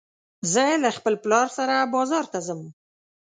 زه له خپل پلار سره بازار ته ځم